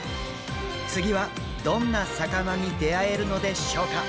次はどんな魚に出会えるのでしょうか。